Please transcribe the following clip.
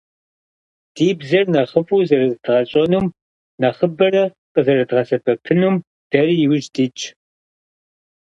Ди бзэр нэхъыфӏу зэрызэдгъэщӀэнум, нэхъыбэрэ къызэрыдгъэсэбэпынум дэри иужь дитщ.